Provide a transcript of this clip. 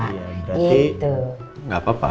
iya berarti nggak apa apa